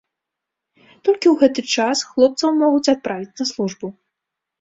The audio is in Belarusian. Толькі ў гэты час хлопцаў могуць адправіць на службу.